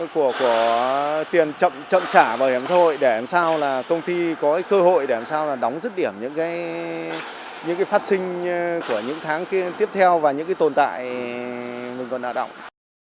của tiền chậm trả bảo hiểm xã hội để làm sao là công ty có cơ hội để làm sao đóng dứt điểm những phát sinh của những tháng tiếp theo và những tồn tại mình còn nợ động